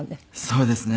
そうですね。